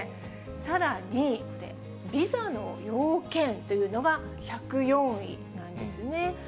さらにこれ、ビザの要件というのが１０４位なんですね。